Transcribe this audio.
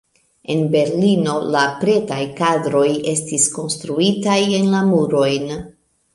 En Berlino la pretaj kadroj estis konstruitaj en la murojn.